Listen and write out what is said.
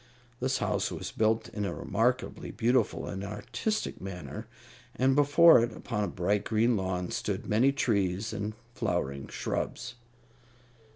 This house was built in a remarkably beautiful and artistic manner, and before it, upon a bright green lawn, stood many trees and flowering shrubs.